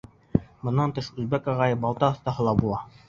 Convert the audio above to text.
Бынан тыш, Үзбәк ағай балта оҫтаһы ла була.